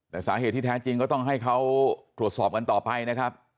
แต่สาเหตุที่แท้จริงก็ต้องให้เขาตรวจสอบกันต่อไปนะครับ